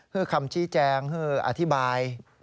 คือคำชี้แจงคืออธิบาย